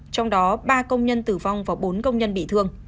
trong đó ba công nhân tử vong và bốn công nhân bị thương